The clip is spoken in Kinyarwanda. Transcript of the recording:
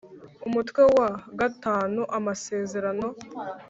Umutwe wa v amasezerano